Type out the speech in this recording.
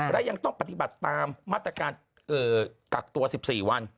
และยังต้องปฏิบัติตามมาตรการกักตัว๑๔วัน